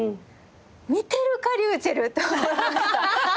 見てるかｒｙｕｃｈｅｌｌと思いました。